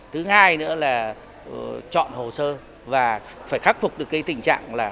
thứ hai nữa là chọn hồ sơ và phải khắc phục được cái tình trạng là